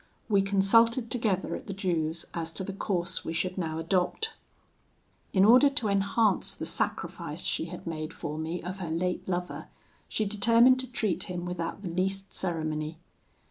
We consulted together at the Jew's as to the course we should now adopt. "In order to enhance the sacrifice she had made for me of her late lover, she determined to treat him without the least ceremony.